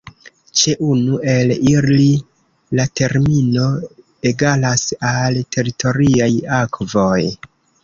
Ĉe unu el ili la termino egalas al teritoriaj akvoj.